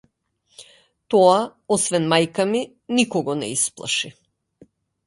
Тоа освен мајка ми никого не исплаши.